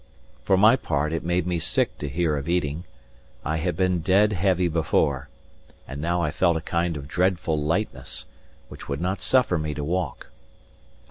For my part, it made me sick to hear of eating. I had been dead heavy before, and now I felt a kind of dreadful lightness, which would not suffer me to walk.